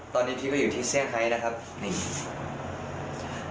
ตอนนี้พี่ก็อยู่ที่เซียงไฮค์นะครับ